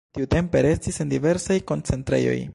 Tiutempe restis en diversaj koncentrejoj.